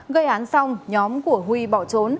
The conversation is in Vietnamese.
gây án xong nhóm của huy bỏ trốn